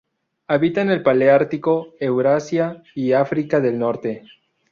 Habita en el paleártico: Eurasia y África del Norte.